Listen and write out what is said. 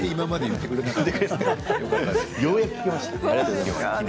ようやく聞けました。